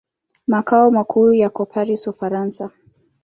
Makao makuu yako Paris, Ufaransa.